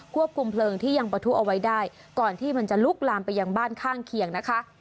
ควบคุมเพลิงที่ยังประทุเอาไว้ได้ก่อนที่มันจะลุกลามไปยังบ้านข้างเคียงนะคะ